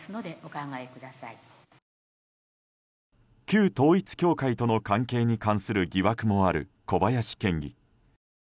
旧統一教会との関係に関する疑惑もある小林県議。